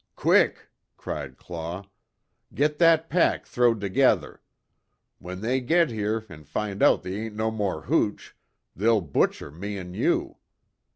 "Quick," cried Claw, "Git that pack throw'd together. When they git here an' find out they ain't no more hooch, they'll butcher me an' you!"